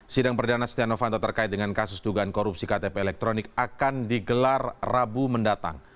sidang perdana setia novanto terkait dengan kasus dugaan korupsi ktp elektronik akan digelar rabu mendatang